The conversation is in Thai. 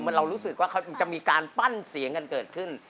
เรารู้สึกว่าเขาถึงจะมีการปั้นเสียงกันเกิดขึ้น